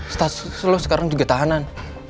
status lo sekarang juga tahanan